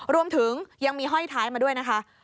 รวมถึงยังมีห้อยท้ายมาด้วยนะคะ